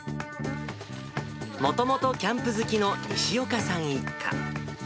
もともとキャンプ好きの西岡さん一家。